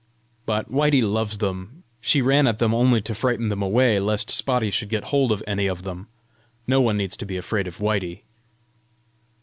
But Whitey loves them. She ran at them only to frighten them away, lest Spotty should get hold of any of them. No one needs be afraid of Whitey!"